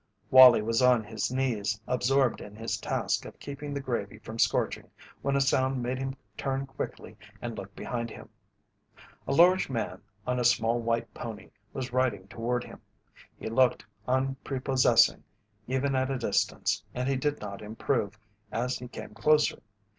Wallie was on his knees absorbed in his task of keeping the gravy from scorching when a sound made him turn quickly and look behind him. A large man on a small white pony was riding toward him. He looked unprepossessing even at a distance and he did not improve, as he came closer.